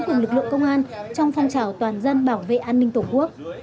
cùng lực lượng công an trong phong trào toàn dân bảo vệ an ninh tổ quốc